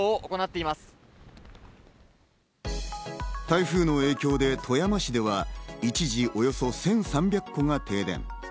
台風の影響で富山市では、一時およそ１３００戸が停電。